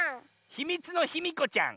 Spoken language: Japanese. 「ひみつのヒミコちゃん」。